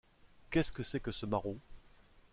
Qu’est-ce que c’est que ce maraud ?